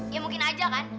ya mungkin aja kan